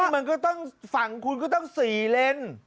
มันก็ต้องฝั่งคุณก็ต้อง๔เลน